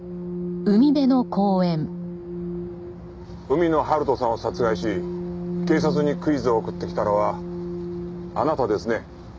海野春人さんを殺害し警察にクイズを送ってきたのはあなたですね？